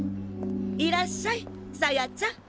いらっしゃい紗耶ちゃん。